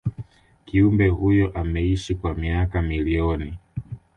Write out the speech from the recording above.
kiumbe huyo ameishi kwa miaka milioni